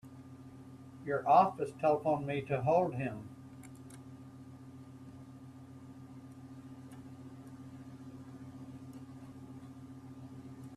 Your office telephoned me to hold him.